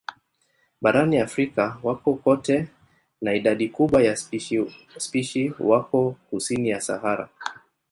Barani Afrika wako kote na idadi kubwa ya spishi wako kusini ya Sahara.